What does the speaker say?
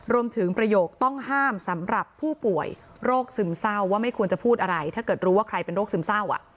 ประโยคต้องห้ามสำหรับผู้ป่วยโรคซึมเศร้าว่าไม่ควรจะพูดอะไรถ้าเกิดรู้ว่าใครเป็นโรคซึมเศร้า